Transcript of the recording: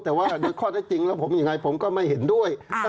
แต่ว่าโดยข้อได้จริงแล้วผมยังไงผมก็ไม่เห็นด้วย